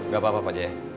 gak apa apa pak jaya